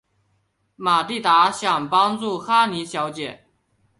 玛蒂达想帮助哈妮小姐。